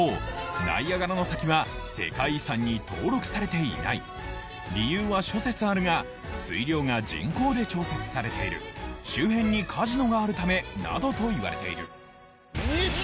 ナイアガラの滝は世界遺産に登録されていない理由は諸説あるが水量が人工で調節されている周辺にカジノがあるためなどといわれている２！